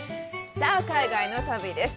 さあ、海外の旅です。